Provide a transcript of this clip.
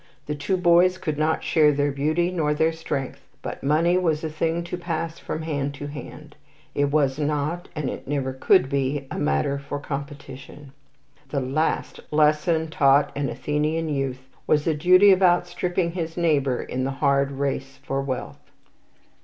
The two boys could not share their beauty nor their strength, but money was a thing to pass from hand to hand. It was not, and it never could be, a matter for competition. The last lesson taught an Athenian youth was the duty of outstripping his neighbour in the hard race for wealth.